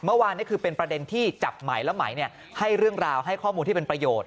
เมื่อวานนี้คือเป็นประเด็นที่จับไหมแล้วไหมให้เรื่องราวให้ข้อมูลที่เป็นประโยชน